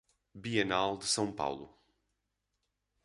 Bienal de São Paulo